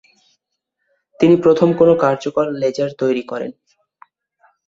তিনি প্রথম কোনো কার্যকর লেজার তৈরী করেন।